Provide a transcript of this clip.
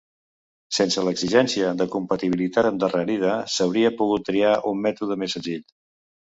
Sense l'exigència de compatibilitat endarrerida, s'hauria pogut triar un mètode més senzill.